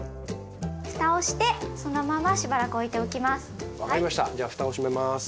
ふたをしてそのまましばらく置いておきます。